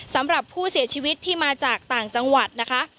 สำหรับผู้เสียชีวิตที่มาจากต่างจังหวัดนะคะ